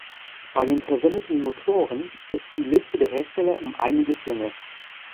Bei den verwendeten Motoren ist die Liste der Hersteller um einiges länger.